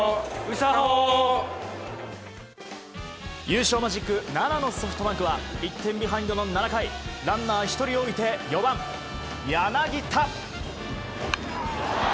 優勝マジック７のソフトバンクは１点ビハインドの７回ランナー１人を置いて４番、柳田。